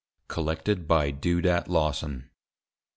COLLECTED BY DEODAT LAWSON.